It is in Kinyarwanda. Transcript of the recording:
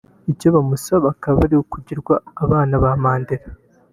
Icyo bamusaba akaba ari ukugirwa abana ba Mandela